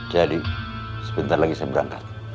jadi sebentar lagi saya berangkat